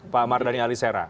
pak mardhani ali sera